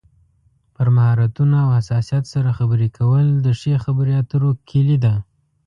پر مهارتونو او حساسیت سره خبرې کول د ښې خبرې اترو کلي ده.